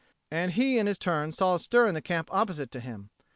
And he in his turn saw a stir in the camp opposite to him.